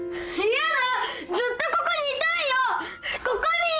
嫌だ！